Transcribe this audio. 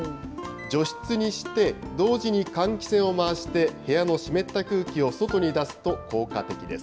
除湿にして、同時に換気扇を回して、部屋の湿った空気を外に出すと効果的です。